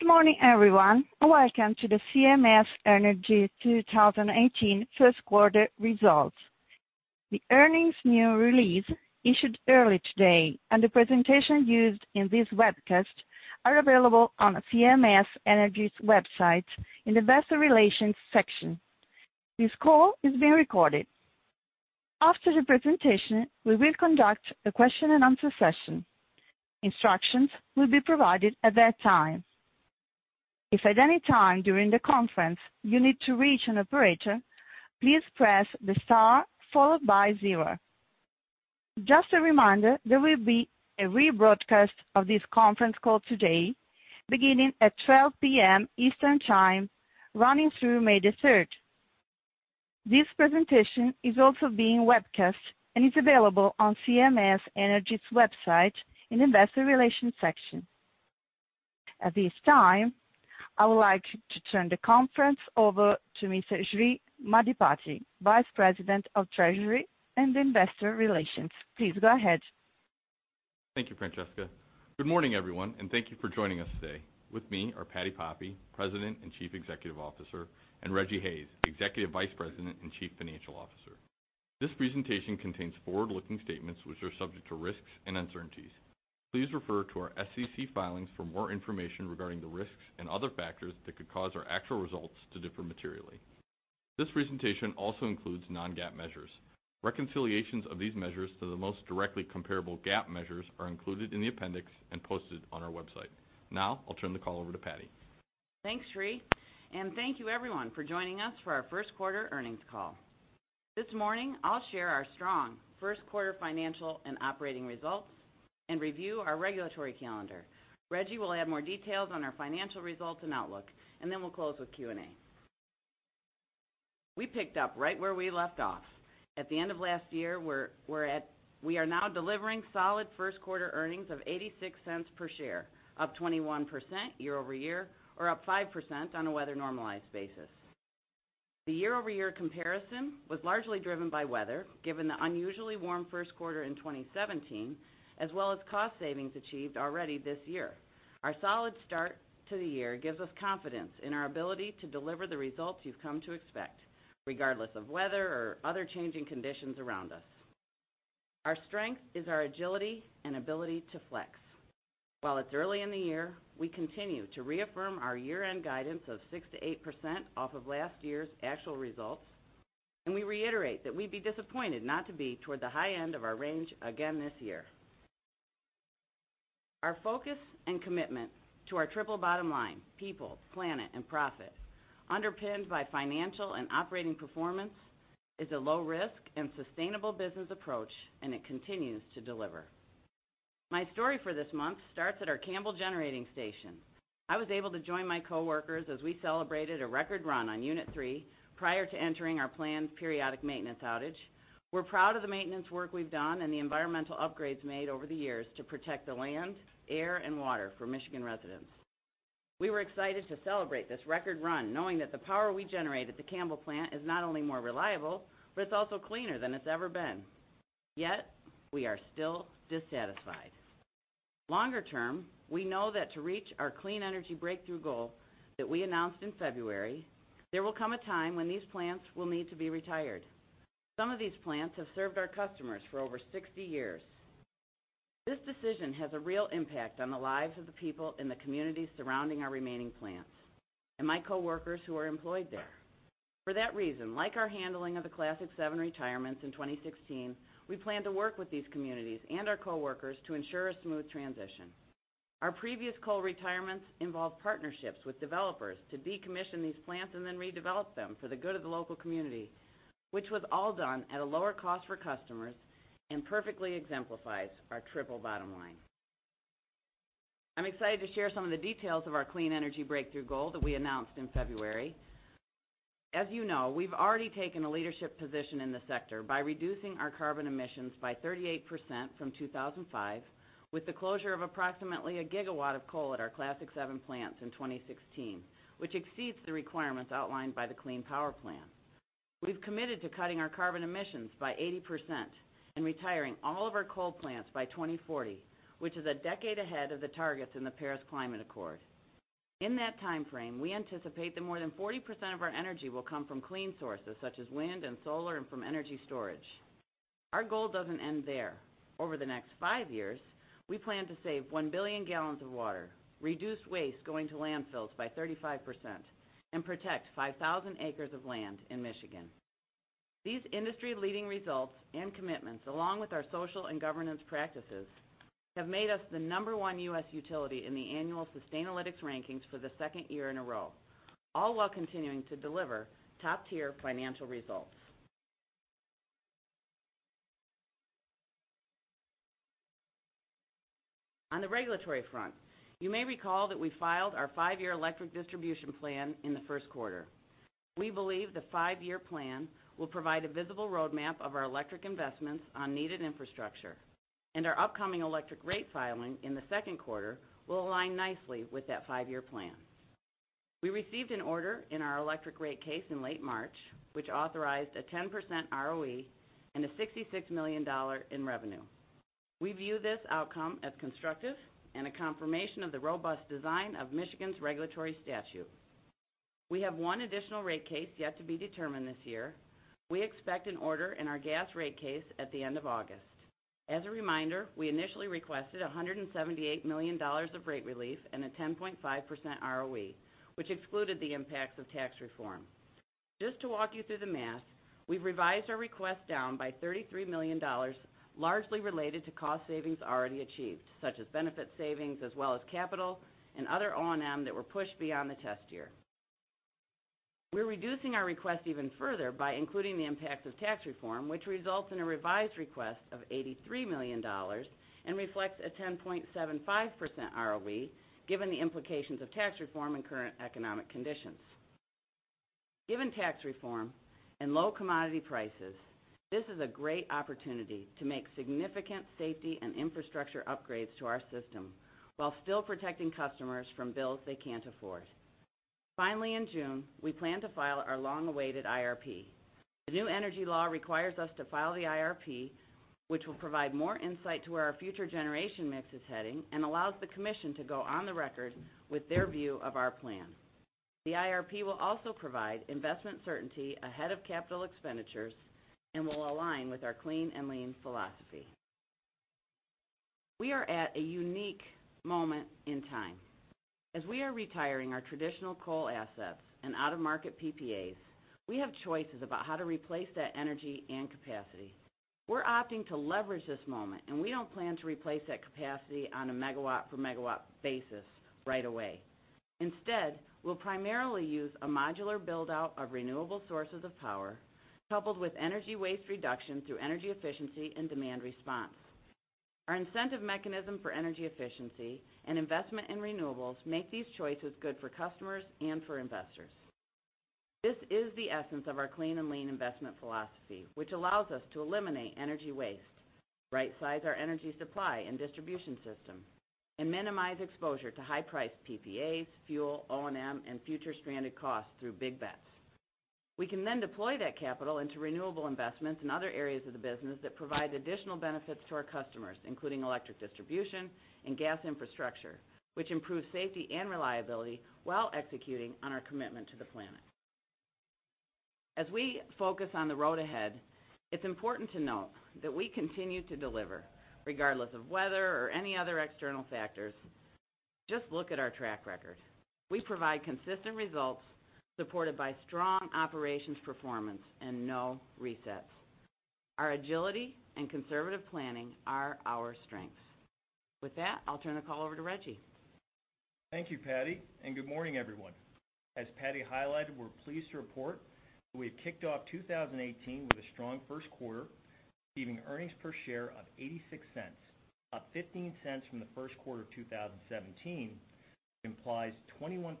Good morning, everyone. Welcome to the CMS Energy 2018 first quarter results. The earnings news release issued early today, and the presentation used in this webcast are available on CMS Energy's website in the investor relations section. This call is being recorded. After the presentation, we will conduct a question and answer session. Instructions will be provided at that time. If at any time during the conference you need to reach an operator, please press the star followed by zero. Just a reminder, there will be a rebroadcast of this conference call today, beginning at 12:00 P.M. Eastern Time, running through May 3rd. This presentation is also being webcast and is available on CMS Energy's website in investor relations section. At this time, I would like to turn the conference over to Mr. Srikanth Maddipati, Vice President of Treasury and Investor Relations. Please go ahead. Thank you, Francesca. Good morning, everyone, and thank you for joining us today. With me are Patti Poppe, President and Chief Executive Officer, and Rejji Hayes, Executive Vice President and Chief Financial Officer. This presentation contains forward-looking statements, which are subject to risks and uncertainties. Please refer to our SEC filings for more information regarding the risks and other factors that could cause our actual results to differ materially. This presentation also includes non-GAAP measures. Reconciliations of these measures to the most directly comparable GAAP measures are included in the appendix and posted on our website. I'll turn the call over to Patti. Thanks, Sri. Thank you, everyone, for joining us for our first quarter earnings call. This morning, I'll share our strong first quarter financial and operating results and review our regulatory calendar. Rejji will add more details on our financial results and outlook, we'll close with Q&A. We picked up right where we left off. At the end of last year, we are now delivering solid first quarter earnings of $0.86 per share, up 21% year-over-year or up 5% on a weather-normalized basis. The year-over-year comparison was largely driven by weather, given the unusually warm first quarter in 2017, as well as cost savings achieved already this year. Our solid start to the year gives us confidence in our ability to deliver the results you've come to expect, regardless of weather or other changing conditions around us. Our strength is our agility and ability to flex. While it's early in the year, we continue to reaffirm our year-end guidance of 6%-8% off of last year's actual results, we reiterate that we'd be disappointed not to be toward the high end of our range again this year. Our focus and commitment to our triple bottom line, people, planet, and profit, underpinned by financial and operating performance, is a low-risk and sustainable business approach, it continues to deliver. My story for this month starts at our Campbell Generating Station. I was able to join my coworkers as we celebrated a record run on Unit 3 prior to entering our planned periodic maintenance outage. We're proud of the maintenance work we've done and the environmental upgrades made over the years to protect the land, air, and water for Michigan residents. We were excited to celebrate this record run knowing that the power we generate at the Campbell plant is not only more reliable, but it's also cleaner than it's ever been. Yet, we are still dissatisfied. Longer term, we know that to reach our clean energy breakthrough goal that we announced in February, there will come a time when these plants will need to be retired. Some of these plants have served our customers for over 60 years. This decision has a real impact on the lives of the people in the communities surrounding our remaining plants, and my coworkers who are employed there. For that reason, like our handling of the Classic 7 retirements in 2016, we plan to work with these communities and our coworkers to ensure a smooth transition. Our previous coal retirements involved partnerships with developers to decommission these plants and then redevelop them for the good of the local community, which was all done at a lower cost for customers and perfectly exemplifies our triple bottom line. I'm excited to share some of the details of our clean energy breakthrough goal that we announced in February. As you know, we've already taken a leadership position in the sector by reducing our carbon emissions by 38% from 2005 with the closure of approximately a gigawatt of coal at our Classic 7 plants in 2016, which exceeds the requirements outlined by the Clean Power Plan. We've committed to cutting our carbon emissions by 80% and retiring all of our coal plants by 2040, which is a decade ahead of the targets in the Paris Climate Accord. In that timeframe, we anticipate that more than 40% of our energy will come from clean sources such as wind and solar and from energy storage. Our goal doesn't end there. Over the next five years, we plan to save one billion gallons of water, reduce waste going to landfills by 35%, and protect 5,000 acres of land in Michigan. These industry-leading results and commitments, along with our social and governance practices, have made us the number one U.S. utility in the annual Sustainalytics rankings for the second year in a row, all while continuing to deliver top-tier financial results. On the regulatory front, you may recall that we filed our five-year electric distribution plan in the first quarter. We believe the five-year plan will provide a visible roadmap of our electric investments on needed infrastructure. Our upcoming electric rate filing in the second quarter will align nicely with that five-year plan. We received an order in our electric rate case in late March, which authorized a 10% ROE and a $66 million in revenue. We view this outcome as constructive and a confirmation of the robust design of Michigan's regulatory statute. We have one additional rate case yet to be determined this year. We expect an order in our gas rate case at the end of August. As a reminder, we initially requested $178 million of rate relief and a 10.5% ROE, which excluded the impacts of tax reform. Just to walk you through the math, we've revised our request down by $33 million, largely related to cost savings already achieved, such as benefit savings, as well as capital and other O&M that were pushed beyond the test year. We're reducing our request even further by including the impacts of tax reform, which results in a revised request of $83 million and reflects a 10.75% ROE, given the implications of tax reform and current economic conditions. Given tax reform and low commodity prices, this is a great opportunity to make significant safety and infrastructure upgrades to our system while still protecting customers from bills they can't afford. Finally, in June, we plan to file our long-awaited IRP. The new energy law requires us to file the IRP, which will provide more insight to where our future generation mix is heading and allows the commission to go on the record with their view of our plan. The IRP will also provide investment certainty ahead of capital expenditures and will align with our clean and lean philosophy. We are at a unique moment in time. As we are retiring our traditional coal assets and out-of-market PPAs, we have choices about how to replace that energy and capacity. We're opting to leverage this moment, we don't plan to replace that capacity on a megawatt per megawatt basis right away. Instead, we'll primarily use a modular build-out of renewable sources of power, coupled with energy waste reduction through energy efficiency and demand response. Our incentive mechanism for energy efficiency and investment in renewables make these choices good for customers and for investors. This is the essence of our clean and lean investment philosophy, which allows us to eliminate energy waste, right-size our energy supply and distribution system, minimize exposure to high-priced PPAs, fuel, O&M, and future stranded costs through big bets. We can then deploy that capital into renewable investments in other areas of the business that provide additional benefits to our customers, including electric distribution and gas infrastructure, which improves safety and reliability while executing on our commitment to the planet. As we focus on the road ahead, it's important to note that we continue to deliver regardless of weather or any other external factors. Just look at our track record. We provide consistent results supported by strong operations performance and no resets. Our agility and conservative planning are our strengths. With that, I'll turn the call over to Rejji. Thank you, Patti, and good morning, everyone. As Patti highlighted, we're pleased to report that we've kicked off 2018 with a strong first quarter, receiving earnings per share of $0.86, up $0.15 from the first quarter of 2017, which implies 21%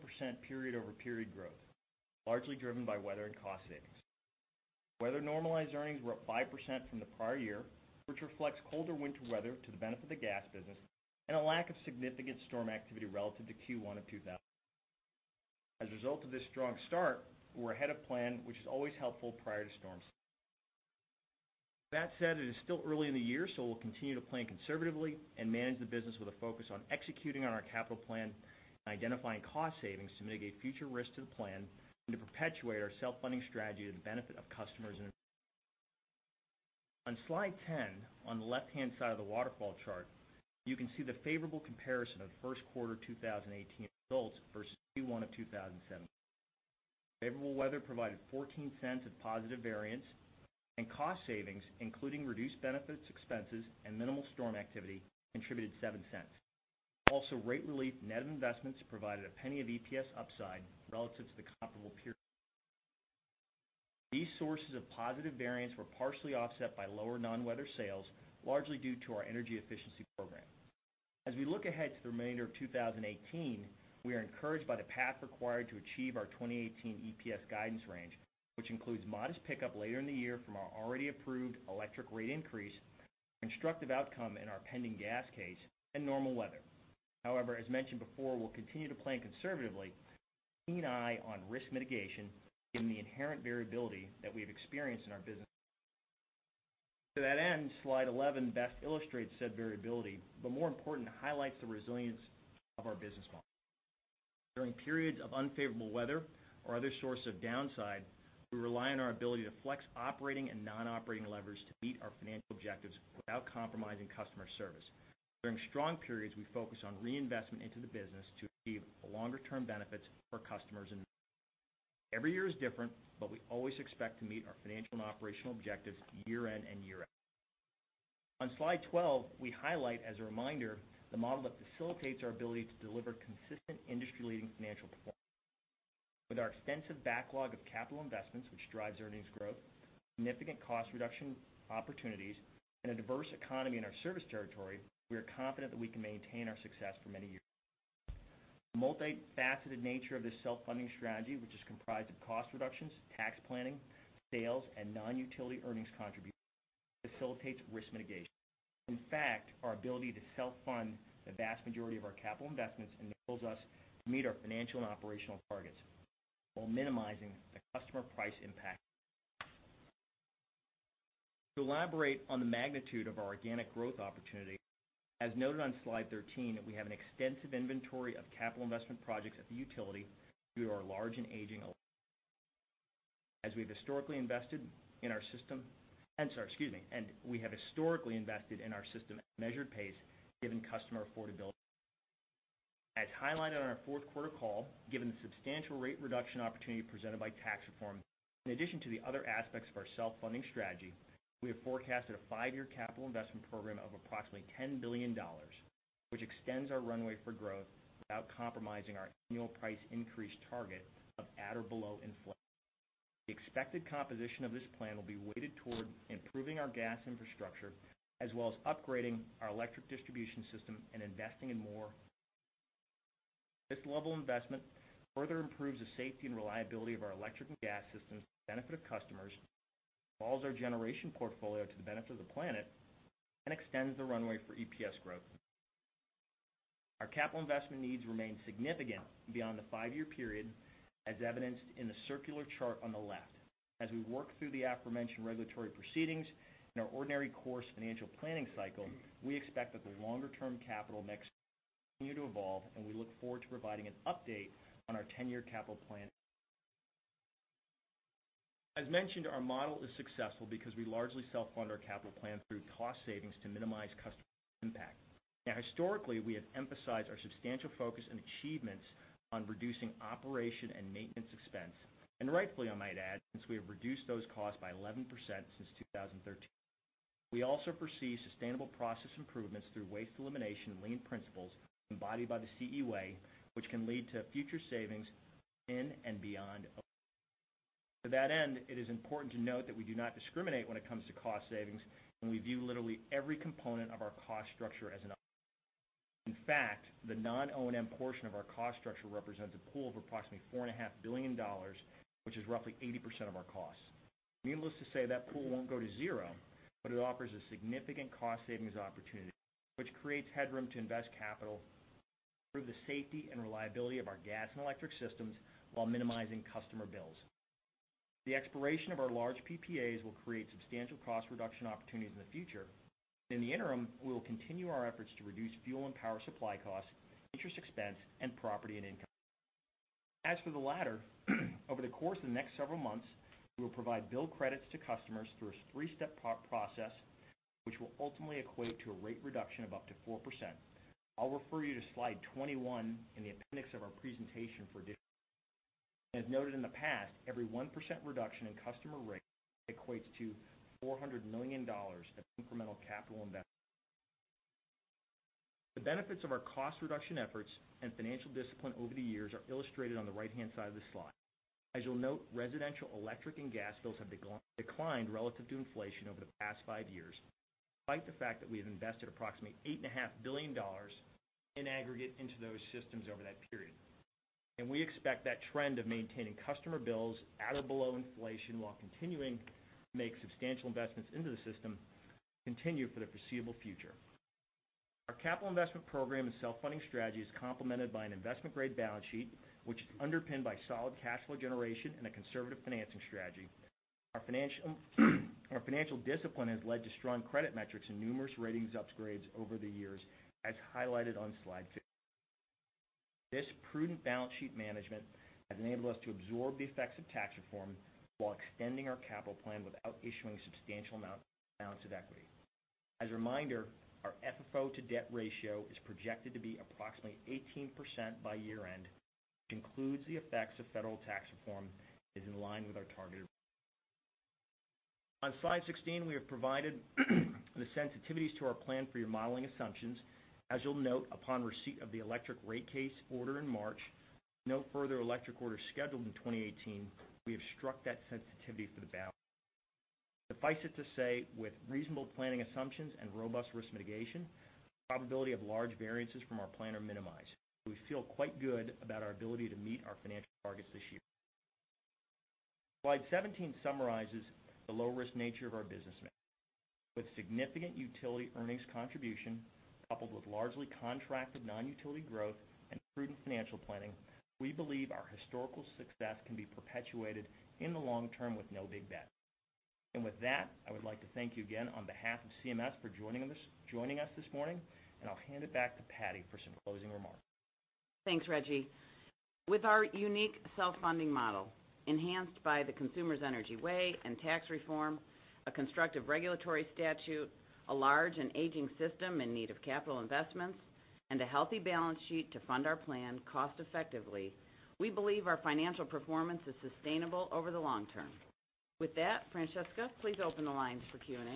period-over-period growth, largely driven by weather and cost savings. Weather-normalized earnings were up 5% from the prior year, which reflects colder winter weather to the benefit of the gas business and a lack of significant storm activity relative to Q1 of 2017. As a result of this strong start, we're ahead of plan, which is always helpful prior to storm. That said, it is still early in the year, we'll continue to plan conservatively and manage the business with a focus on executing on our capital plan and identifying cost savings to mitigate future risks to the plan and to perpetuate our self-funding strategy to the benefit of customers and investors. On slide 10, on the left-hand side of the waterfall chart, you can see the favorable comparison of first quarter 2018 results versus Q1 of 2017. Favorable weather provided $0.14 of positive variance and cost savings, including reduced benefits, expenses, and minimal storm activity contributed $0.07. Rate relief net of investments provided $0.01 of EPS upside relative to the comparable period. These sources of positive variance were partially offset by lower non-weather sales, largely due to our energy efficiency program. As we look ahead to the remainder of 2018, we are encouraged by the path required to achieve our 2018 EPS guidance range, which includes modest pickup later in the year from our already approved electric rate increase, constructive outcome in our pending gas case, and normal weather. As mentioned before, we'll continue to plan conservatively with a keen eye on risk mitigation in the inherent variability that we've experienced in our business. To that end, slide 11 best illustrates said variability, more important, it highlights the resilience of our business model. During periods of unfavorable weather or other sources of downside, we rely on our ability to flex operating and non-operating leverage to meet our financial objectives without compromising customer service. During strong periods, we focus on reinvestment into the business to achieve longer-term benefits for customers and investors. Every year is different, we always expect to meet our financial and operational objectives year in and year out. On slide 12, we highlight as a reminder, the model that facilitates our ability to deliver consistent industry-leading financial performance. With our extensive backlog of capital investments, which drives earnings growth, significant cost reduction opportunities, and a diverse economy in our service territory, we are confident that we can maintain our success for many years. The multifaceted nature of this self-funding strategy, which is comprised of cost reductions, tax planning, sales, and non-utility earnings contributions facilitates risk mitigation. In fact, our ability to self-fund the vast majority of our capital investments enables us to meet our financial and operational targets while minimizing the customer price impact. To elaborate on the magnitude of our organic growth opportunity, as noted on slide 13, we have an extensive inventory of capital investment projects at the utility through our large and aging. I'm sorry, excuse me. We have historically invested in our system at a measured pace given customer affordability. As highlighted on our fourth quarter call, given the substantial rate reduction opportunity presented by tax reform, in addition to the other aspects of our self-funding strategy, we have forecasted a five-year capital investment program of approximately $10 billion, which extends our runway for growth without compromising our annual price increase target of at or below inflation. The expected composition of this plan will be weighted toward improving our gas infrastructure, as well as upgrading our electric distribution system and investing in more. This level investment further improves the safety and reliability of our electric and gas systems to the benefit of customers, evolves our generation portfolio to the benefit of the planet, and extends the runway for EPS growth. Our capital investment needs remain significant beyond the five-year period, as evidenced in the circular chart on the left. As we work through the aforementioned regulatory proceedings and our ordinary course financial planning cycle, we expect that the longer-term capital mix will continue to evolve, and we look forward to providing an update on our 10-year capital plan. As mentioned, our model is successful because we largely self-fund our capital plan through cost savings to minimize customer impact. Now historically, we have emphasized our substantial focus and achievements on reducing operation and maintenance expense. Rightfully, I might add, since we have reduced those costs by 11% since 2013. We also foresee sustainable process improvements through waste elimination and lean principles embodied by the CE Way, which can lead to future savings in and beyond. To that end, it is important to note that we do not discriminate when it comes to cost savings, and we view literally every component of our cost structure as an. In fact, the non-O&M portion of our cost structure represents a pool of approximately $4.5 billion, which is roughly 80% of our costs. Needless to say, that pool won't go to zero, but it offers a significant cost savings opportunity, which creates headroom to invest capital, improve the safety and reliability of our gas and electric systems, while minimizing customer bills. The expiration of our large PPAs will create substantial cost reduction opportunities in the future. In the interim, we will continue our efforts to reduce fuel and power supply costs, interest expense, and property and income. As for the latter, over the course of the next several months, we will provide bill credits to customers through a three-step process, which will ultimately equate to a rate reduction of up to 4%. I'll refer you to slide 21 in the appendix of our presentation for additional. As noted in the past, every 1% reduction in customer rate equates to $400 million of incremental capital investment. The benefits of our cost reduction efforts and financial discipline over the years are illustrated on the right-hand side of the slide. As you'll note, residential electric and gas bills have declined relative to inflation over the past five years, despite the fact that we have invested approximately $8.5 billion in aggregate into those systems over that period. We expect that trend of maintaining customer bills at or below inflation while continuing to make substantial investments into the system, to continue for the foreseeable future. Our capital investment program and self-funding strategy is complemented by an investment-grade balance sheet, which is underpinned by solid cash flow generation and a conservative financing strategy. Our financial discipline has led to strong credit metrics and numerous ratings upgrades over the years, as highlighted on slide 16. This prudent balance sheet management has enabled us to absorb the effects of tax reform while extending our capital plan without issuing substantial amounts of equity. As a reminder, our FFO to debt ratio is projected to be approximately 18% by year-end, which includes the effects of federal tax reform, is in line with our targeted. On slide 16, we have provided the sensitivities to our plan for your modeling assumptions. You'll note, upon receipt of the electric rate case order in March, with no further electric orders scheduled in 2018, we have struck that sensitivity for the bound. Suffice it to say, with reasonable planning assumptions and robust risk mitigation, the probability of large variances from our plan are minimized. We feel quite good about our ability to meet our financial targets this year. Slide 17 summarizes the low-risk nature of our business mix. With significant utility earnings contribution, coupled with largely contracted non-utility growth and prudent financial planning, we believe our historical success can be perpetuated in the long term with no big bets. With that, I would like to thank you again on behalf of CMS for joining us this morning, and I'll hand it back to Patti for some closing remarks. Thanks, Rejji. With our unique self-funding model, enhanced by the Consumers Energy Way and tax reform, a constructive regulatory statute, a large and aging system in need of capital investments, and a healthy balance sheet to fund our plan cost effectively, we believe our financial performance is sustainable over the long term. With that, Francesca, please open the lines for Q&A.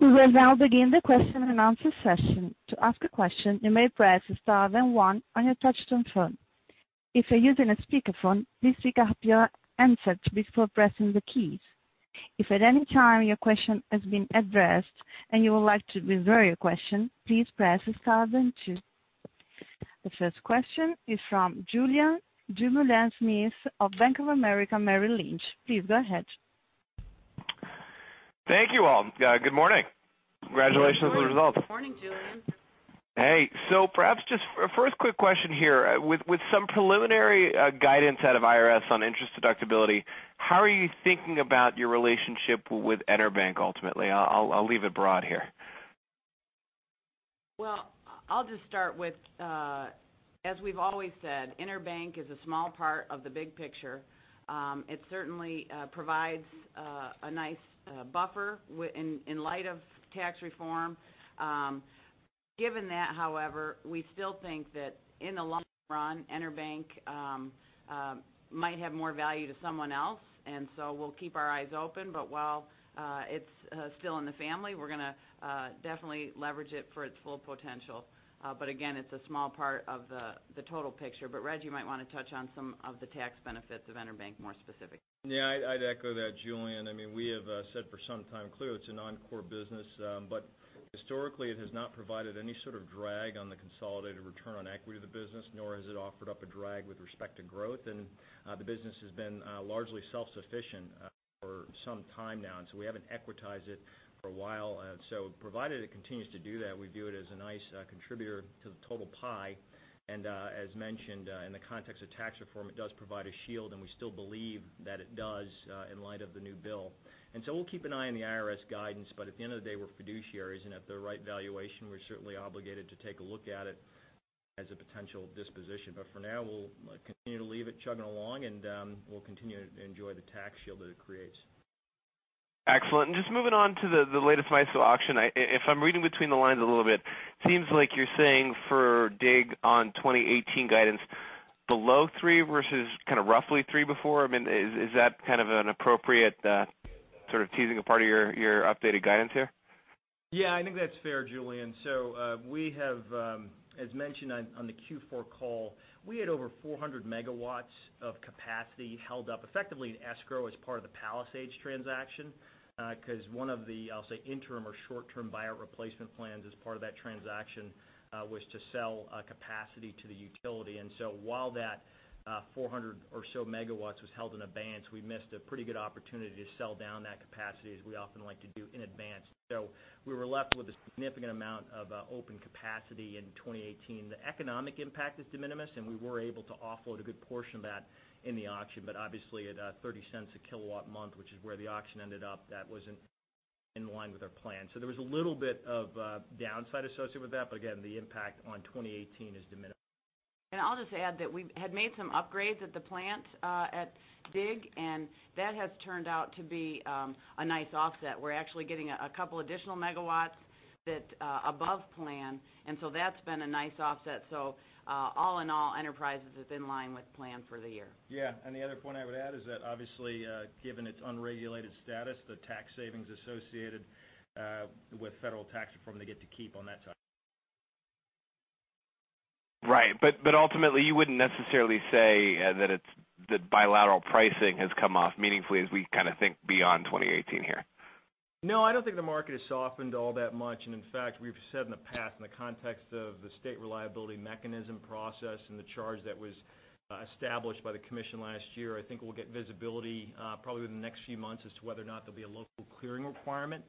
We will now begin the question and answer session. To ask a question, you may press star, then one on your touchtone phone. If you're using a speakerphone, please pick up your answer before pressing the keys. If at any time your question has been addressed and you would like to withdraw your question, please press star then two. The first question is from Julien Dumoulin-Smith of Bank of America Merrill Lynch. Please go ahead. Thank you, all. Good morning. Congratulations on the results. Good morning, Julien. Hey. Perhaps just a first quick question here. With some preliminary guidance out of IRS on interest deductibility, how are you thinking about your relationship with EnerBank ultimately? I'll leave it broad here. Well, I'll just start with, as we've always said, EnerBank is a small part of the big picture. It certainly provides a nice buffer in light of tax reform. Given that, however, we still think that in the long run, EnerBank might have more value to someone else. We'll keep our eyes open, but while it's still in the family, we're going to definitely leverage it for its full potential. Again, it's a small part of the total picture. Reg, you might want to touch on some of the tax benefits of EnerBank more specifically. Yeah, I'd echo that, Julien. We have said for some time clearly it's a non-core business. Historically, it has not provided any sort of drag on the consolidated return on equity of the business, nor has it offered up a drag with respect to growth. The business has been largely self-sufficient for some time now, so we haven't equitized it for a while. Provided it continues to do that, we view it as a nice contributor to the total pie. As mentioned, in the context of tax reform, it does provide a shield, and we still believe that it does in light of the new bill. We'll keep an eye on the IRS guidance, but at the end of the day, we're fiduciaries, and at the right valuation, we're certainly obligated to take a look at it as a potential disposition. For now, we'll continue to leave it chugging along, and we'll continue to enjoy the tax shield that it creates. Excellent. Just moving on to the latest MISO auction. If I'm reading between the lines a little bit, seems like you're saying for DIG on 2018 guidance below three versus kind of roughly three before. Is that kind of an appropriate sort of teasing apart of your updated guidance here? Yeah, I think that's fair, Julien. We have, as mentioned on the Q4 call, we had over 400 megawatts of capacity held up effectively in escrow as part of the Palisades transaction. Because one of the, I'll say, interim or short-term buyout replacement plans as part of that transaction was to sell capacity to the utility. While that 400 or so megawatts was held in abeyance, we missed a pretty good opportunity to sell down that capacity as we often like to do in advance. The economic impact is de minimis, and we were able to offload a good portion of that in the auction. Obviously at $0.30 a kilowatt month, which is where the auction ended up, that wasn't in line with our plan. There was a little bit of a downside associated with that. Again, the impact on 2018 is de minimis. I'll just add that we had made some upgrades at the plant at DIG, and that has turned out to be a nice offset. We're actually getting a couple additional megawatts above plan, that's been a nice offset. All in all, Enterprise is in line with plan for the year. Yeah. The other point I would add is that obviously, given its unregulated status, the tax savings associated with federal tax reform, they get to keep on that side. Right. Ultimately, you wouldn't necessarily say that bilateral pricing has come off meaningfully as we kind of think beyond 2018 here. No, I don't think the market has softened all that much. In fact, we've said in the past, in the context of the state reliability mechanism process and the charge that was established by the commission last year, I think we'll get visibility probably within the next few months as to whether or not there'll be a local clearing requirement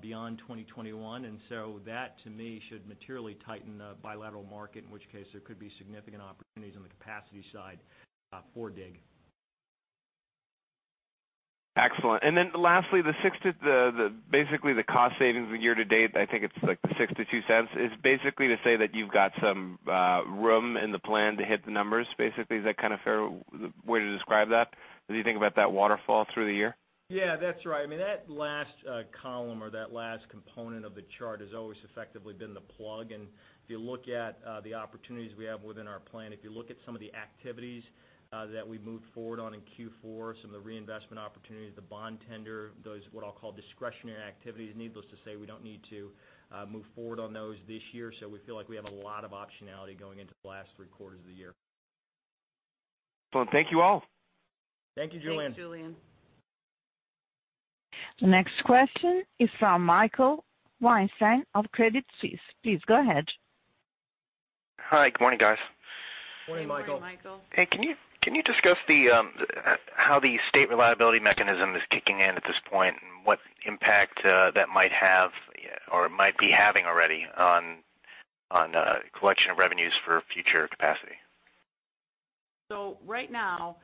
beyond 2021. So that, to me, should materially tighten the bilateral market, in which case there could be significant opportunities on the capacity side for Dig Energy. Excellent. Lastly, basically the cost savings of year-to-date, I think it's like the $0.62, is basically to say that you've got some room in the plan to hit the numbers, basically. Is that a fair way to describe that, as you think about that waterfall through the year? Yeah, that's right. That last column or that last component of the chart has always effectively been the plug. If you look at the opportunities we have within our plan, if you look at some of the activities that we moved forward on in Q4, some of the reinvestment opportunities, the bond tender, those what I'll call discretionary activities, needless to say, we don't need to move forward on those this year. We feel like we have a lot of optionality going into the last three quarters of the year. Well, thank you all. Thank you, Julien. Thanks, Julien. The next question is from Michael Weinstein of Credit Suisse. Please go ahead. Hi. Good morning, guys. Morning, Michael. Good morning, Michael. Hey, can you discuss how the state reliability mechanism is kicking in at this point, and what impact that might have or might be having already on collection of revenues for future capacity? Right now,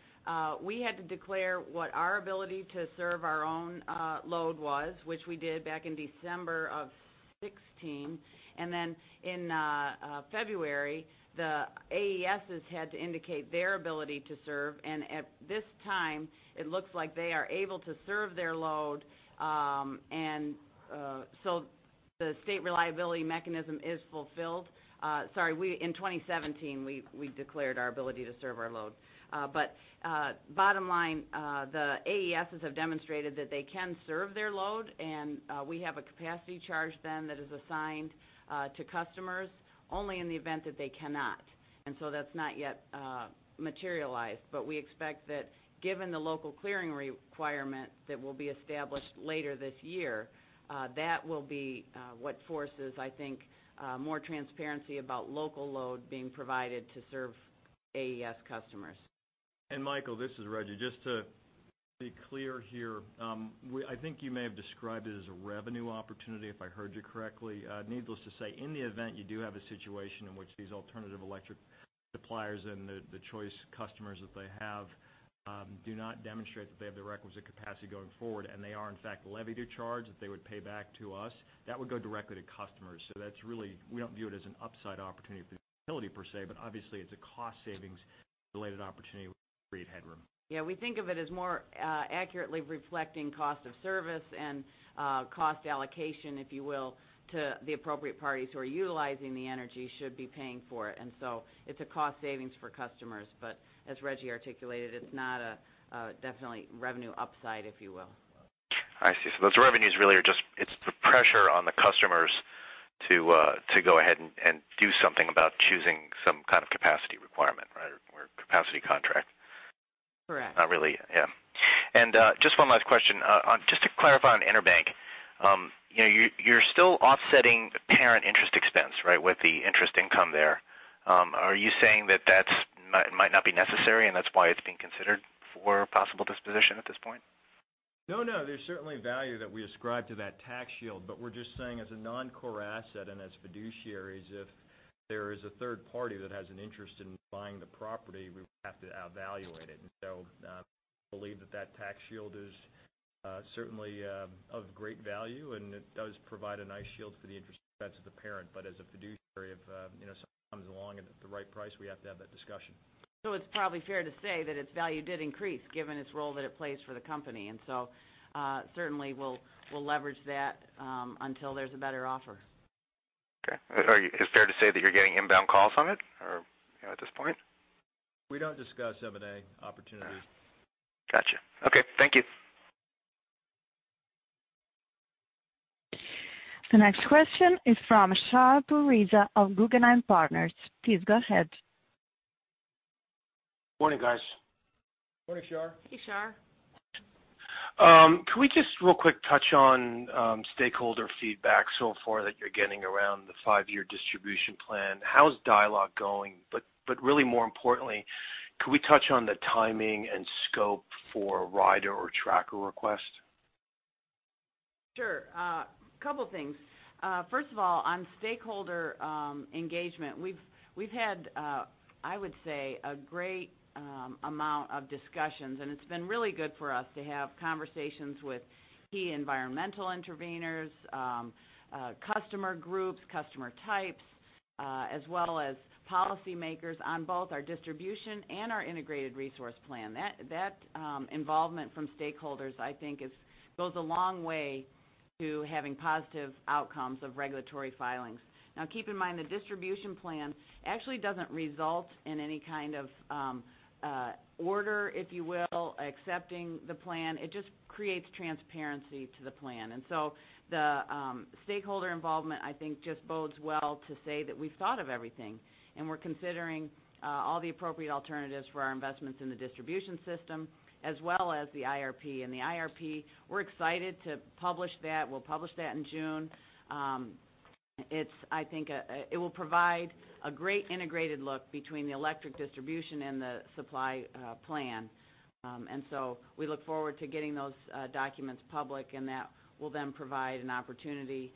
we had to declare what our ability to serve our own load was, which we did back in December of 2016. In February, the AES had to indicate their ability to serve. At this time, it looks like they are able to serve their load. The state reliability mechanism is fulfilled. Sorry, in 2017, we declared our ability to serve our load. Bottom line, the AES have demonstrated that they can serve their load, and we have a capacity charge then that is assigned to customers only in the event that they cannot. That's not yet materialized. We expect that given the local clearing requirement that will be established later this year, that will be what forces, I think, more transparency about local load being provided to serve AES customers. Michael, this is Rejji. Just to be clear here, I think you may have described it as a revenue opportunity if I heard you correctly. Needless to say, in the event you do have a situation in which these alternative electric suppliers and the choice customers that they have do not demonstrate that they have the requisite capacity going forward and they are in fact levy to charge, that they would pay back to us, that would go directly to customers. We don't view it as an upside opportunity for the utility per se, but obviously, it's a cost savings-related opportunity to create headroom. Yeah, we think of it as more accurately reflecting cost of service and cost allocation, if you will, to the appropriate parties who are utilizing the energy should be paying for it. It's a cost savings for customers. As Rejji articulated, it's not a definitely revenue upside, if you will. I see. Those revenues really are just the pressure on the customers to go ahead and do something about choosing some kind of capacity requirement, right, or capacity contract? Correct. Not really, yeah. Just one last question. Just to clarify on EnerBank, you're still offsetting parent interest expense, right, with the interest income there. Are you saying that that might not be necessary and that's why it's being considered for possible disposition at this point? There's certainly value that we ascribe to that tax shield, we're just saying as a non-core asset and as fiduciaries, if there is a third party that has an interest in buying the property, we would have to evaluate it. We believe that tax shield is certainly of great value, and it does provide a nice shield for the interest expense of the parent. As a fiduciary, if someone comes along and at the right price, we have to have that discussion. It's probably fair to say that its value did increase given its role that it plays for the company. Certainly we'll leverage that until there's a better offer. Okay. Is it fair to say that you're getting inbound calls on it at this point? We don't discuss M&A opportunities. Got you. Okay. Thank you. The next question is from Shar Pourreza of Guggenheim Partners. Please go ahead. Morning, guys. Morning, Shar. Hey, Shar. Can we just real quick touch on stakeholder feedback so far that you're getting around the five-year distribution plan? How's dialogue going? Really more importantly, can we touch on the timing and scope for a rider or tracker request? Sure. Couple things. First of all, on stakeholder engagement, we've had, I would say, a great amount of discussions, and it's been really good for us to have conversations with key environmental interveners, customer groups, customer types, as well as policymakers on both our distribution and our integrated resource plan. That involvement from stakeholders, I think, goes a long way to having positive outcomes of regulatory filings. Now, keep in mind, the distribution plan actually doesn't result in any kind of order, if you will, accepting the plan. It just creates transparency to the plan. The stakeholder involvement, I think just bodes well to say that we've thought of everything, and we're considering all the appropriate alternatives for our investments in the distribution system, as well as the IRP. The IRP, we're excited to publish that. We'll publish that in June. I think it will provide a great integrated look between the electric distribution and the supply plan. We look forward to getting those documents public, and that will then provide an opportunity,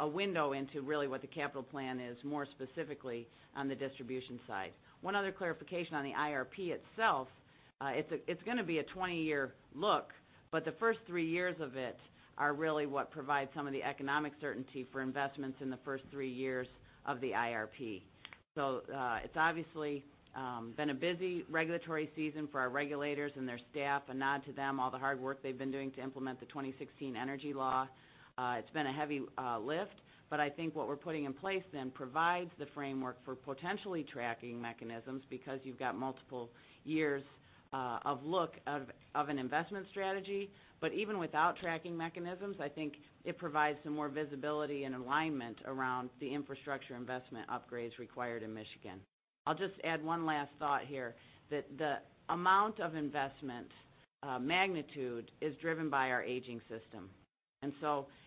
a window into really what the capital plan is, more specifically on the distribution side. One other clarification on the IRP itself. It's going to be a 20-year look, but the first three years of it are really what provide some of the economic certainty for investments in the first three years of the IRP. It's obviously been a busy regulatory season for our regulators and their staff. A nod to them, all the hard work they've been doing to implement the 2016 Energy Law. It's been a heavy lift, I think what we're putting in place provides the framework for potentially tracking mechanisms because you've got multiple years of look of an investment strategy. Even without tracking mechanisms, I think it provides some more visibility and alignment around the infrastructure investment upgrades required in Michigan. I'll just add one last thought here that the amount of investment magnitude is driven by our aging system.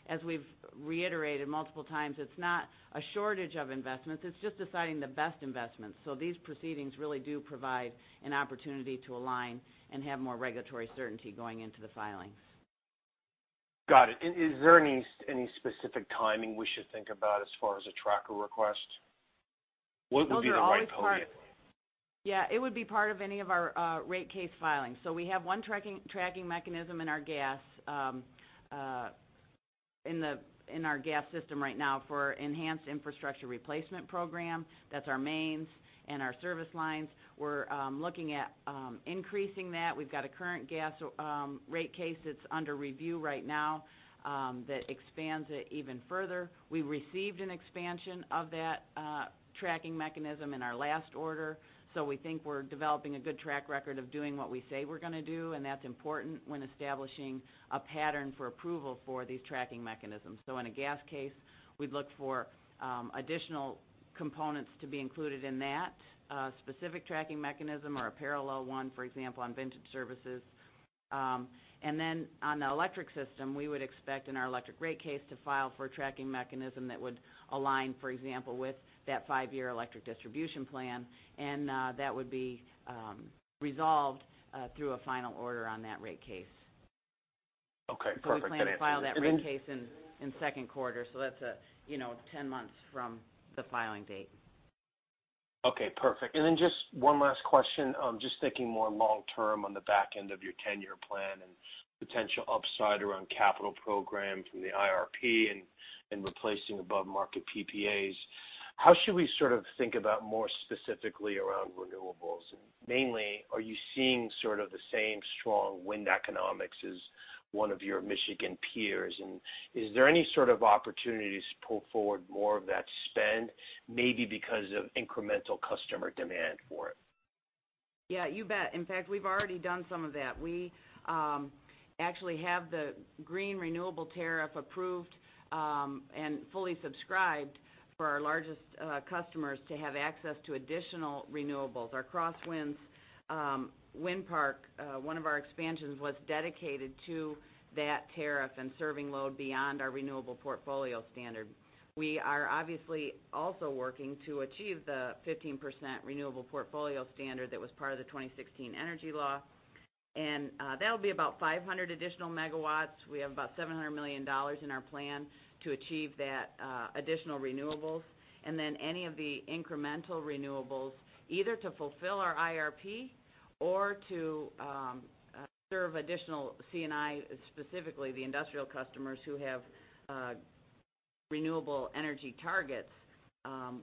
As we've reiterated multiple times, it's not a shortage of investments, it's just deciding the best investments. These proceedings really do provide an opportunity to align and have more regulatory certainty going into the filings. Got it. Is there any specific timing we should think about as far as a tracker request? What would be the right timing? It would be part of any of our rate case filings. We have one tracking mechanism in our gas system right now for enhanced infrastructure replacement program. That's our mains and our service lines. We're looking at increasing that. We've got a current gas rate case that's under review right now that expands it even further. We received an expansion of that tracking mechanism in our last order, we think we're developing a good track record of doing what we say we're going to do, and that's important when establishing a pattern for approval for these tracking mechanisms. In a gas case, we'd look for additional components to be included in that specific tracking mechanism or a parallel one, for example, on vintage services. On the electric system, we would expect in our electric rate case to file for a tracking mechanism that would align, for example, with that five-year electric distribution plan, and that would be resolved through a final order on that rate case. Okay, perfect. That answers it. We plan to file that rate case in second quarter, that's 10 months from the filing date. Okay, perfect. Just one last question, just thinking more long-term on the back end of your 10-year plan and potential upside around capital program from the IRP and replacing above-market PPAs. How should we think about more specifically around renewables? Are you seeing the same strong wind economics as one of your Michigan peers? Is there any sort of opportunity to pull forward more of that spend maybe because of incremental customer demand for it? Yeah, you bet. In fact, we've already done some of that. We actually have the green renewable tariff approved, and fully subscribed for our largest customers to have access to additional renewables. Our Cross Winds Energy Park, one of our expansions, was dedicated to that tariff and serving load beyond our renewable portfolio standard. We are obviously also working to achieve the 15% renewable portfolio standard that was part of the 2016 Energy Law. That'll be about 500 additional megawatts. We have about $700 million in our plan to achieve that additional renewables. Any of the incremental renewables, either to fulfill our IRP or to serve additional C&I, specifically the industrial customers who have renewable energy targets,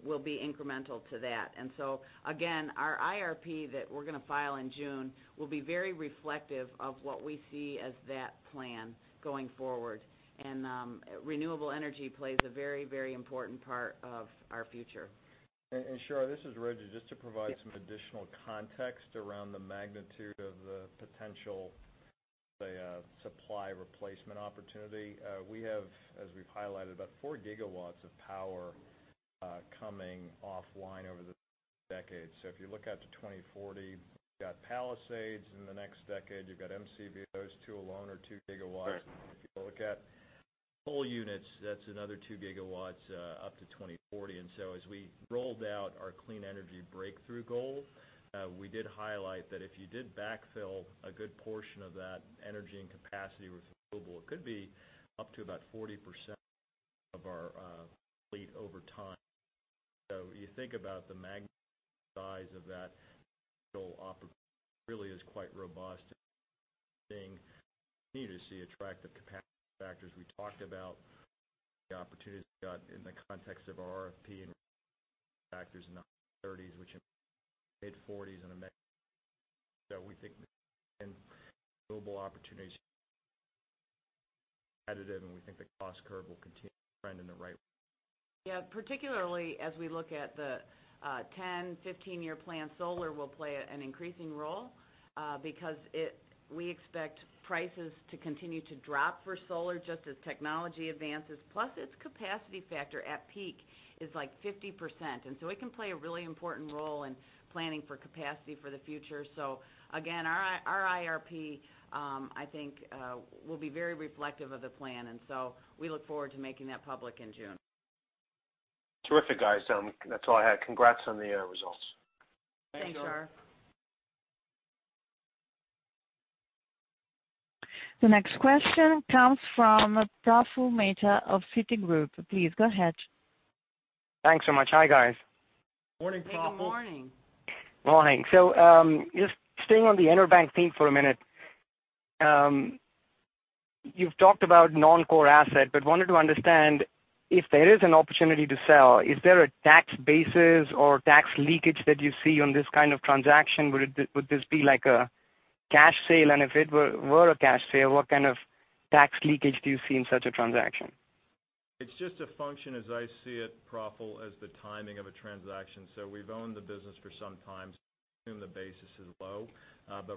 will be incremental to that. Again, our IRP that we're going to file in June will be very reflective of what we see as that plan going forward. Renewable energy plays a very important part of our future. Shar, this is Rejji. Just to provide some additional context around the magnitude of the potential, say, supply replacement opportunity. We have, as we've highlighted, about 4 GW of power coming offline over the decade. If you look out to 2040, you've got Palisades in the next decade, you've got [MCV. Those two alone are 2 GW. Right. If you look at whole units, that's another 2 GW up to 2040. As we rolled out our clean energy breakthrough goal, we did highlight that if you did backfill a good portion of that energy and capacity with renewable, it could be up to about 40% of our fleet over time. You think about the magnitude and size of that potential opportunity really is quite robust, being you need to see attractive capacity factors. We talked about the opportunities we've got in the context of our RFP and capacity factors in the 30s. We think the renewable opportunities competitive, and we think the cost curve will continue to trend in the right way. Particularly as we look at the 10, 15-year plan, solar will play an increasing role because we expect prices to continue to drop for solar just as technology advances. Its capacity factor at peak is like 50%, it can play a really important role in planning for capacity for the future. Again, our IRP, I think, will be very reflective of the plan, we look forward to making that public in June. Terrific, guys. That's all I had. Congrats on the results. Thanks, Shar. Thank you. The next question comes from Praful Mehta of Citigroup. Please go ahead. Thanks so much. Hi, guys. Morning, Praful. Good morning. Morning. Just staying on the EnerBank theme for a minute. You've talked about non-core asset, wanted to understand if there is an opportunity to sell, is there a tax basis or tax leakage that you see on this kind of transaction? Would this be like a cash sale? If it were a cash sale, what kind of tax leakage do you see in such a transaction? It's just a function, as I see it, Praful, as the timing of a transaction. We've owned the business for some time, so I assume the basis is low.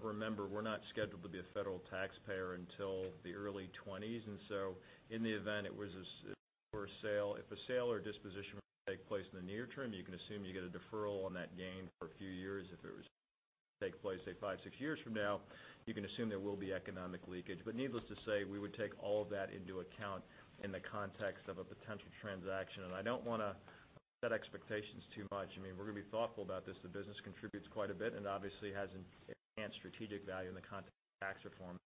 Remember, we're not scheduled to be a federal taxpayer until the early 2020s. In the event it was for a sale, if a sale or disposition were to take place in the near term, you can assume you get a deferral on that gain for a few years. If it was to take place, say, five, six years from now, you can assume there will be economic leakage. Needless to say, we would take all of that into account in the context of a potential transaction. I don't want to set expectations too much. We're going to be thoughtful about this. The business contributes quite a bit and obviously has an enhanced strategic value in the context of tax reform.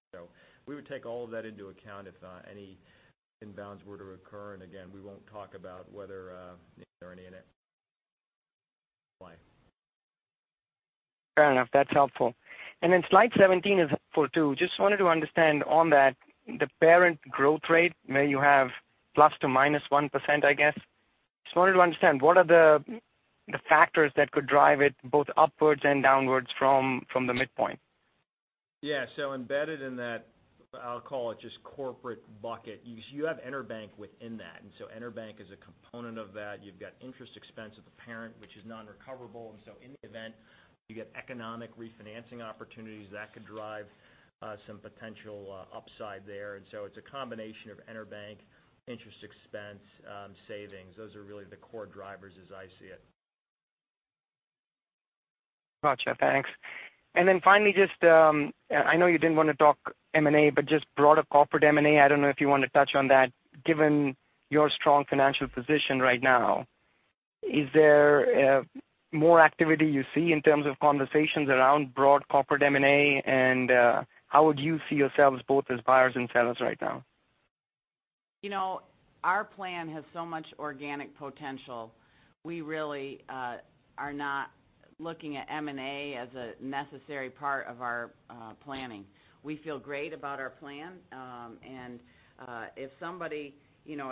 We would take all of that into account if any inbounds were to occur. Again, we won't talk about whether there are any in it. Fair enough. That's helpful. Then slide 17 is helpful, too. Just wanted to understand on that, the parent growth rate, where you have ±1%, I guess. Just wanted to understand, what are the factors that could drive it both upwards and downwards from the midpoint? Yeah. Embedded in that, I'll call it just corporate bucket, you have EnerBank within that. EnerBank is a component of that. You've got interest expense at the parent, which is non-recoverable. In the event you get economic refinancing opportunities, that could drive some potential upside there. It's a combination of EnerBank interest expense savings. Those are really the core drivers as I see it. Got you. Thanks. Finally, I know you didn't want to talk M&A, but just broader corporate M&A. I don't know if you want to touch on that, given your strong financial position right now. Is there more activity you see in terms of conversations around broad corporate M&A? How would you see yourselves both as buyers and sellers right now? Our plan has so much organic potential. We really are not looking at M&A as a necessary part of our planning. We feel great about our plan. If somebody,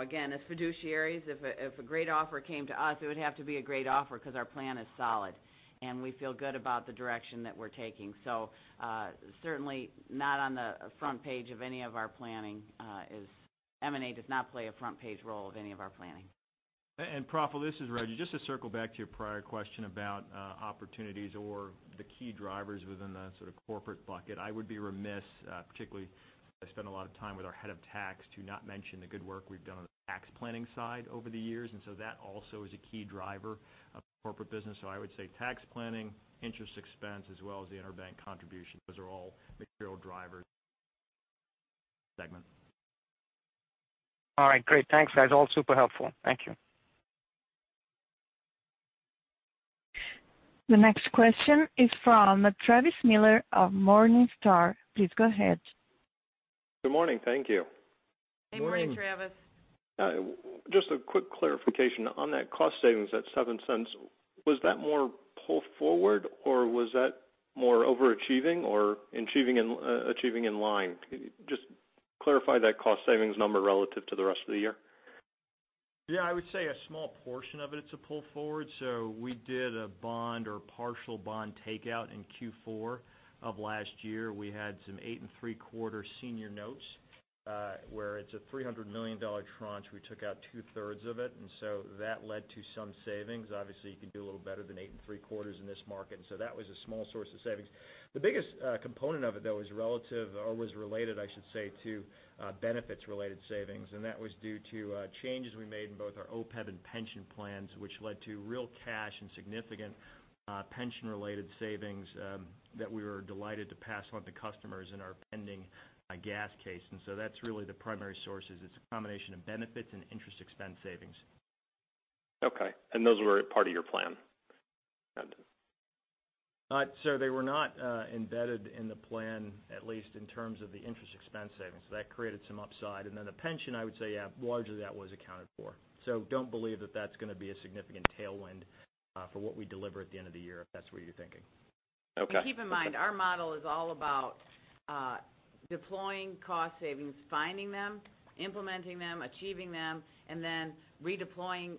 again, as fiduciaries, if a great offer came to us, it would have to be a great offer because our plan is solid, and we feel good about the direction that we're taking. Certainly not on the front page of any of our planning. M&A does not play a front-page role of any of our planning. Praful, this is Rejji. Just to circle back to your prior question about opportunities or the key drivers within the sort of corporate bucket. I would be remiss, particularly I spend a lot of time with our head of tax, to not mention the good work we've done on the tax planning side over the years, that also is a key driver of corporate business. I would say tax planning, interest expense, as well as the EnerBank contribution. Those are all material drivers segment. All right, great. Thanks, guys. All super helpful. Thank you. The next question is from Travis Miller of Morningstar. Please go ahead. Good morning. Thank you. Good morning. Good morning. Hey, good morning, Travis. Just a quick clarification. On that cost savings, that $0.07, was that more pull forward, or was that more overachieving or achieving in line? Just clarify that cost savings number relative to the rest of the year. Yeah, I would say a small portion of it's a pull forward. We did a bond or partial bond takeout in Q4 of last year. We had some eight-and-three-quarter senior notes, where it's a $300 million tranche. We took out two-thirds of it. That led to some savings. Obviously, you can do a little better than eight-and-three-quarters in this market. That was a small source of savings. The biggest component of it, though, was related to benefits-related savings, and that was due to changes we made in both our OPEB and pension plans, which led to real cash and significant pension-related savings that we were delighted to pass on to customers in our pending gas case. That's really the primary sources. It's a combination of benefits and interest expense savings. Okay, those were part of your plan? They were not embedded in the plan, at least in terms of the interest expense savings. That created some upside. Then the pension, I would say, yeah, largely that was accounted for. Don't believe that that's going to be a significant tailwind for what we deliver at the end of the year, if that's what you're thinking. Okay. Keep in mind, our model is all about deploying cost savings, finding them, implementing them, achieving them, then redeploying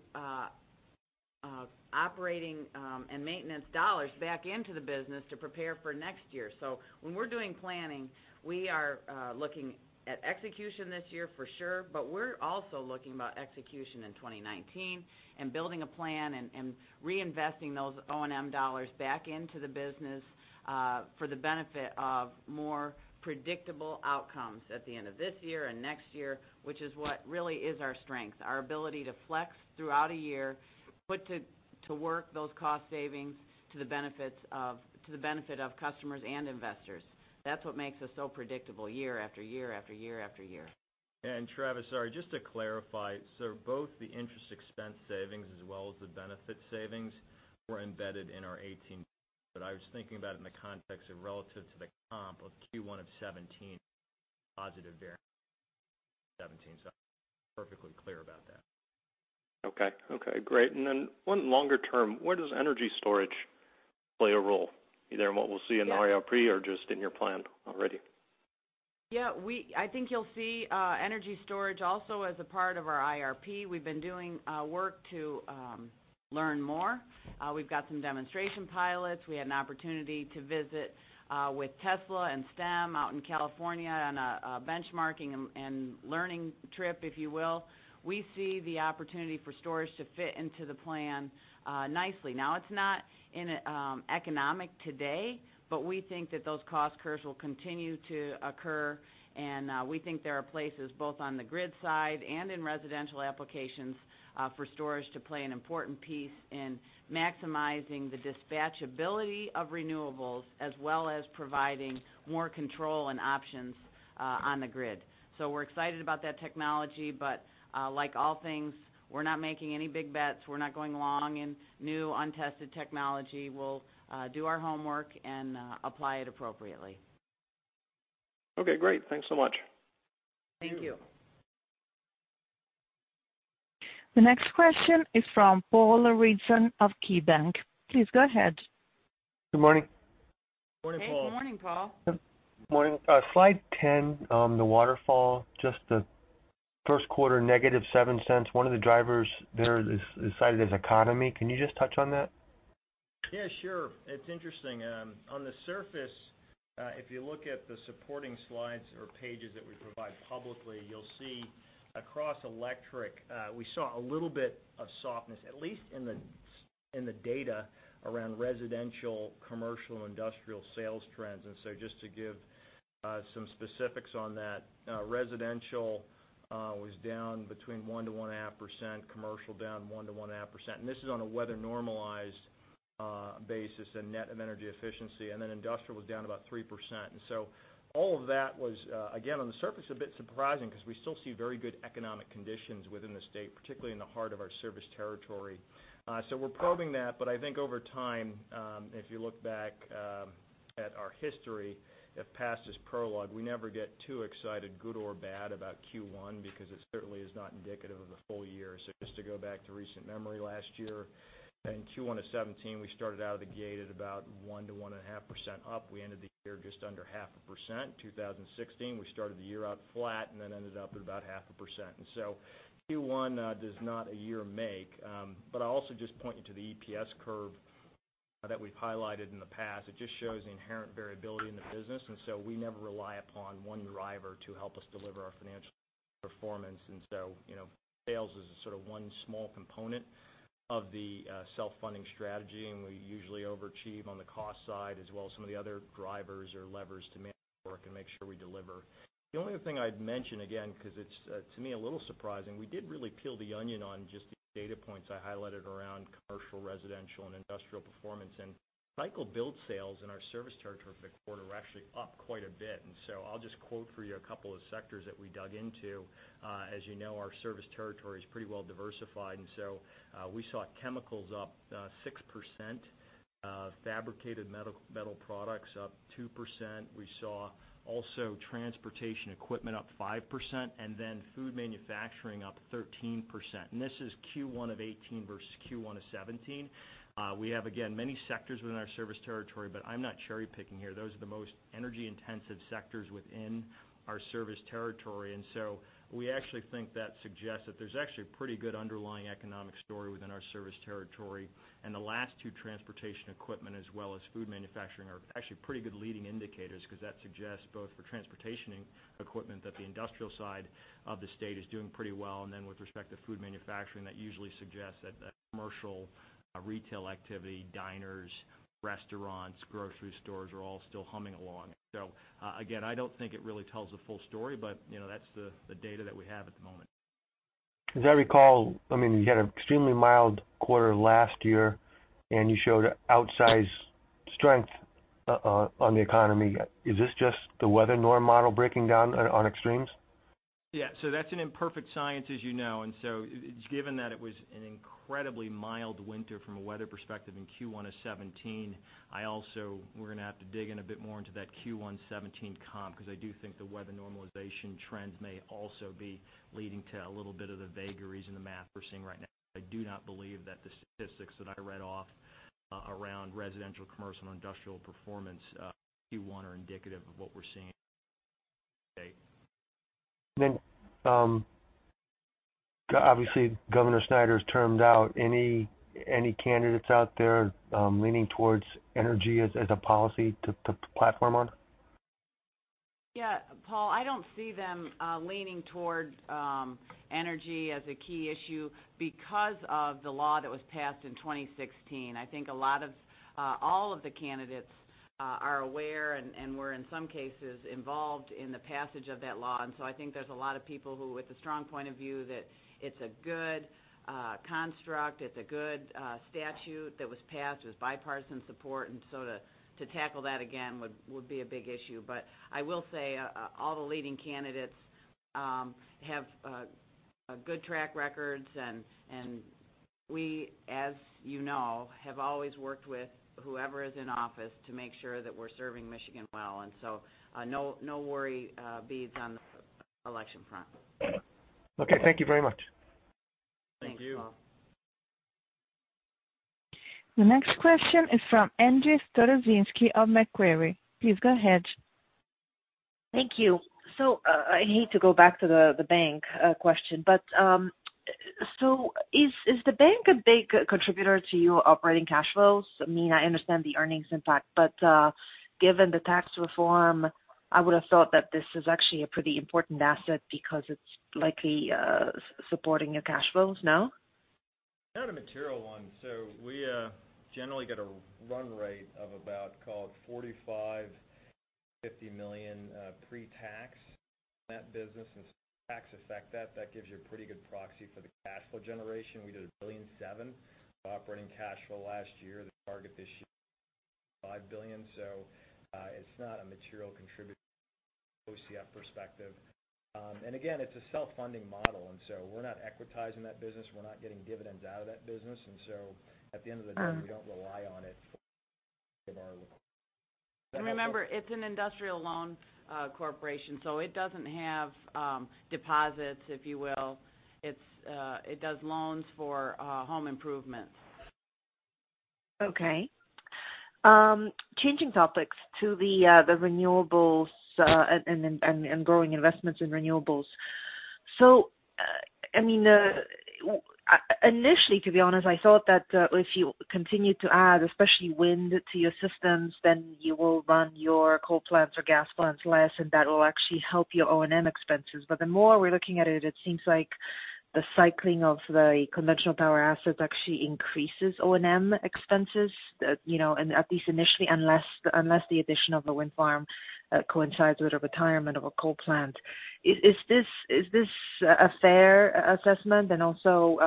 operating and maintenance dollars back into the business to prepare for next year. When we're doing planning, we are looking at execution this year for sure, but we're also looking about execution in 2019 and building a plan and reinvesting those O&M dollars back into the business, for the benefit of more predictable outcomes at the end of this year and next year, which is what really is our strength. Our ability to flex throughout a year, put to work those cost savings to the benefit of customers and investors. That's what makes us so predictable year after year after year after year. Travis, sorry, just to clarify. Both the interest expense savings as well as the benefit savings were embedded in our 2018, but I was thinking about it in the context of relative to the comp of Q1 2017 positive variance, 2017, perfectly clear about that. Okay. Great. Then one longer term, where does energy storage play a role? Either in what we'll see in our IRP or just in your plan already? Yeah. I think you'll see energy storage also as a part of our IRP. We've been doing work to learn more. We've got some demonstration pilots. We had an opportunity to visit with Tesla and Stem out in California on a benchmarking and learning trip, if you will. We see the opportunity for storage to fit into the plan nicely. It's not economic today, we think that those cost curves will continue to occur, and we think there are places both on the grid side and in residential applications for storage to play an important piece in maximizing the dispatch ability of renewables as well as providing more control and options on the grid. We're excited about that technology, like all things, we're not making any big bets. We're not going along in new, untested technology. We'll do our homework and apply it appropriately. Okay, great. Thanks so much. Thank you. Thank you. The next question is from Paul Ridzon of KeyBanc. Please go ahead. Good morning. Morning, Paul. Hey, good morning, Paul. Morning. Slide 10, the waterfall, just the first quarter -$0.07. One of the drivers there is cited as economy. Can you just touch on that? Yeah, sure. It's interesting. On the surface, if you look at the supporting slides or pages that we provide publicly, you'll see across electric, we saw a little bit of softness, at least in the data around residential, commercial, industrial sales trends. Just to give some specifics on that. Residential was down between 1%-1.5%, commercial down 1%-1.5%. This is on a weather-normalized basis and net of energy efficiency. Industrial was down about 3%. All of that was, again, on the surface, a bit surprising because we still see very good economic conditions within the state, particularly in the heart of our service territory. We're probing that. I think over time, if you look back at our history, if past is prologue, we never get too excited, good or bad, about Q1 because it certainly is not indicative of the full year. Just to go back to recent memory, last year, in Q1 of 2017, we started out of the gate at about 1%-1.5% up. We ended the year just under half a percent. 2016, we started the year out flat and then ended up at about half a percent. Q1 does not a year make. I'll also just point you to the EPS curve that we've highlighted in the past. It just shows the inherent variability in the business, we never rely upon one driver to help us deliver our financial performance. Sales is sort of one small component of the self-funding strategy, and we usually overachieve on the cost side as well as some of the other drivers or levers to make it work and make sure we deliver. The only other thing I'd mention, again, because it's, to me, a little surprising, we did really peel the onion on just these data points I highlighted around commercial, residential, and industrial performance. Cycle-billed sales in our service territory for the quarter were actually up quite a bit. I'll just quote for you a couple of sectors that we dug into. As you know, our service territory is pretty well diversified, we saw chemicals up 6%, fabricated metal products up 2%. We saw also transportation equipment up 5%, and then food manufacturing up 13%. This is Q1 of 2018 versus Q1 of 2017. We have, again, many sectors within our service territory, but I'm not cherry-picking here. Those are the most energy-intensive sectors within our service territory. We actually think that suggests that there's actually a pretty good underlying economic story within our service territory. The last two, transportation equipment as well as food manufacturing, are actually pretty good leading indicators because that suggests both for transportation equipment that the industrial side of the state is doing pretty well, and then with respect to food manufacturing, that usually suggests that commercial retail activity, diners, restaurants, grocery stores are all still humming along. Again, I don't think it really tells the full story, but that's the data that we have at the moment. As I recall, you had an extremely mild quarter last year. You showed outsized strength on the economy. Is this just the weather norm model breaking down on extremes? That's an imperfect science, as you know. Given that it was an incredibly mild winter from a weather perspective in Q1 of 2017, we're going to have to dig in a bit more into that Q1 2017 comp because I do think the weather normalization trends may also be leading to a little bit of the vagaries in the math we're seeing right now. I do not believe that the statistics that I read off around residential, commercial, and industrial performance in Q1 are indicative of what we're seeing today. Lynn, obviously Rick Snyder's termed out. Any candidates out there leaning towards energy as a policy to platform on? Yeah, Paul, I don't see them leaning towards energy as a key issue because of the law that was passed in 2016. I think all of the candidates are aware and were, in some cases, involved in the passage of that law. I think there's a lot of people with a strong point of view that it's a good construct, it's a good statute that was passed with bipartisan support, to tackle that again would be a big issue. I will say all the leading candidates have good track records, and we, as you know, have always worked with whoever is in office to make sure that we're serving Michigan well. No worry beads on the election front. Okay. Thank you very much. Thank you. Thanks, Paul. The next question is from Angie Storozynski of Macquarie. Please go ahead. Thank you. I hate to go back to the bank question, is the bank a big contributor to your operating cash flows? I mean, I understand the earnings impact, given the tax reform, I would have thought that this is actually a pretty important asset because it's likely supporting your cash flows now. Not a material one. We generally get a run rate of about, call it $45 million, $50 million pre-tax in that business. Tax affect that gives you a pretty good proxy for the cash flow generation. We did $1.7 billion of operating cash flow last year. The target this year. [inaudible] It's not a material contributor from an OCF perspective. Again, it's a self-funding model, we're not equitizing that business. We're not getting dividends out of that business. At the end of the day, we don't rely on it. Remember, it's an industrial loan corporation, so it doesn't have deposits, if you will. It does loans for home improvements. Changing topics to the renewables and growing investments in renewables. Initially, to be honest, I thought that if you continue to add, especially wind to your systems, then you will run your coal plants or gas plants less, and that will actually help your O&M expenses. The more we're looking at it seems like the cycling of the conventional power assets actually increases O&M expenses, at least initially, unless the addition of a wind farm coincides with a retirement of a coal plant. Is this a fair assessment? Also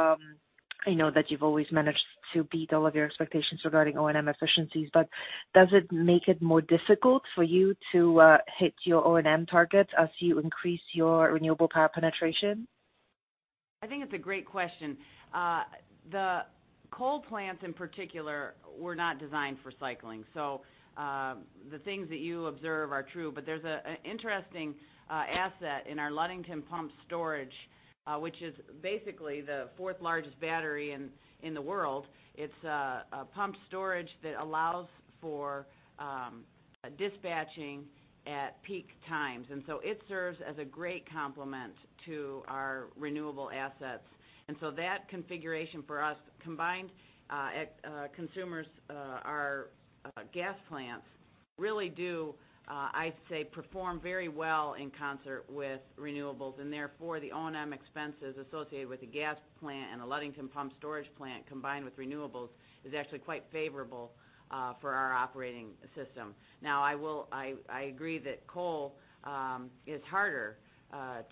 I know that you've always managed to beat all of your expectations regarding O&M efficiencies, but does it make it more difficult for you to hit your O&M targets as you increase your renewable power penetration? I think it's a great question. The coal plants, in particular, were not designed for cycling. The things that you observe are true, but there's an interesting asset in our Ludington Pumped Storage, which is basically the fourth largest battery in the world. It's a pumped storage that allows for dispatching at peak times. It serves as a great complement to our renewable assets. That configuration for us combined Consumers Energy, our gas plants really do, I'd say, perform very well in concert with renewables, and therefore, the O&M expenses associated with the gas plant and the Ludington Pumped Storage plant combined with renewables is actually quite favorable for our operating system. I agree that coal is harder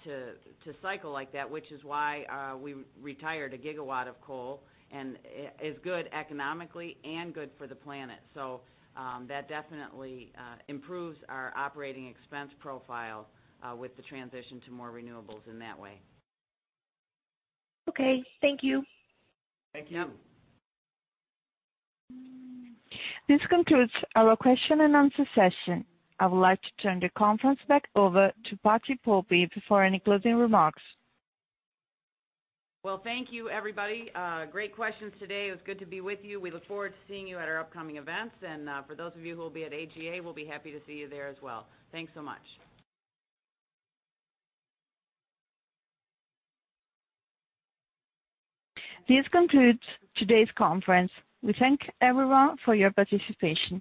to cycle like that, which is why we retired a gigawatt of coal and is good economically and good for the planet. That definitely improves our operating expense profile with the transition to more renewables in that way. Okay. Thank you. Thank you. This concludes our question-and-answer session. I would like to turn the conference back over to Patti Poppe for any closing remarks. Well, thank you, everybody. Great questions today. It was good to be with you. We look forward to seeing you at our upcoming events. For those of you who will be at AGA, we will be happy to see you there as well. Thanks so much. This concludes today's conference. We thank everyone for your participation.